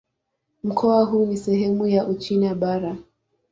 Mkoa huu ni sehemu ya Uchina Bara.